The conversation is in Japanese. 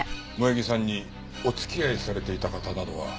萌衣さんにお付き合いされていた方などは？